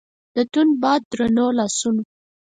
د توند باد درنو لاسونو